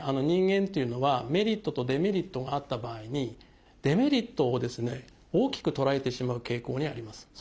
人間っていうのはメリットとデメリットがあった場合にデメリットをですね大きく捉えてしまう傾向にあります。